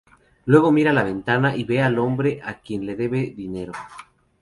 Luego mira la ventana y ve al hombre a quien le debe dinero.